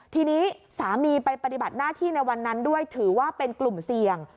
ทีนี้สามีไปปฏิบัติหน้าที่ในวันนั้นด้วยถือว่าเป็นกลุ่มเสี่ยง